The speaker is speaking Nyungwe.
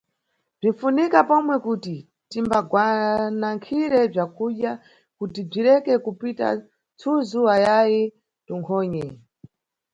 Bzinʼfunika pomwe kuti timbagwanankhire bzakudya kuti bzireke kupita tsuzu ayayi tunkhonye.